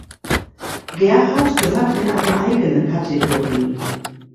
Gerhart gehört in eine eigene Kategorie.